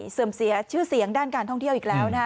เสื่อมเสียชื่อเสียยังด้านการท่องเที่ยวอีกแล้วค่ะ